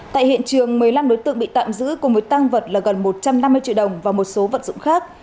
tại hiện trường một mươi năm đối tượng bị tạm giữ cùng với tăng vật là gần một trăm năm mươi triệu đồng và một số vận dụng khác